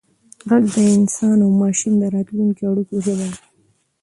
ږغ د انسان او ماشین د راتلونکو اړیکو ژبه ده.